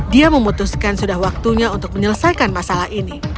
dia memutuskan sudah waktunya untuk menyelesaikan masalah ini